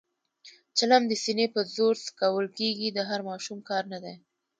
چلم د سینې په زور څکول کېږي، د هر ماشوم کار نه دی.